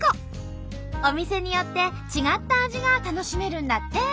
お店によって違った味が楽しめるんだって。